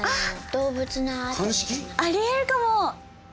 ありえるかも！